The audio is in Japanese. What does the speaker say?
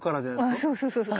ああそうそうそうそう。